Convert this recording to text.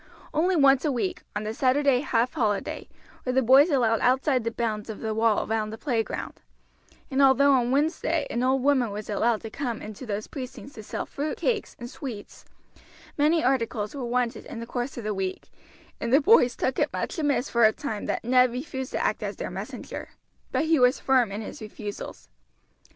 Only once a week, on the Saturday half holiday, were the boys allowed outside the bounds of the wall round the playground, and although on Wednesday an old woman was allowed to come into those precincts to sell fruit, cakes, and sweets, many articles were wanted in the course of the week, and the boys took it much amiss for a time that Ned refused to act as their messenger; but he was firm in his refusals.